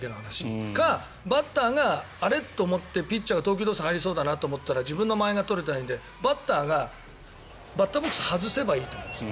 それか、バッターがあれ？と思ってピッチャーが投球動作に入りそうだなと思ったら自分の間合いが取れてないのでバッターがバッターボックス外せばいいと思うんです。